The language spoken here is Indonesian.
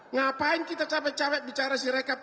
ngapain kita capek capek bicara si rekap